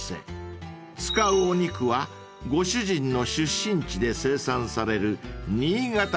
［使うお肉はご主人の出身地で生産される］